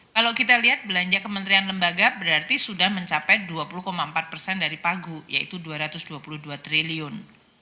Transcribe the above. kalau kita lihat belanja kementerian lembaga berarti sudah mencapai dua puluh empat persen dari pagu yaitu dua ratus dua puluh dua triliun